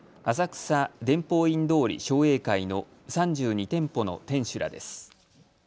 浅草伝法院通り商栄会の３２店舗の店主らです。